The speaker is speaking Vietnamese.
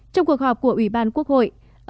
trong cuộc họp của ủy ban quốc hội